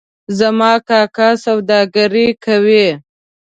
زما کاکا سوداګري کوي